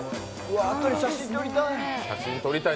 あとで写真撮りたい。